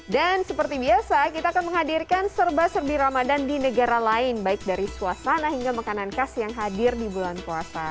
seperti biasa kita akan menghadirkan serba serbi ramadan di negara lain baik dari suasana hingga makanan khas yang hadir di bulan puasa